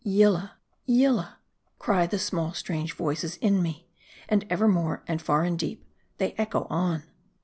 Yillah ! Yillah ! cry the small strange voices in me, and evermore, and far and deep, they echo on.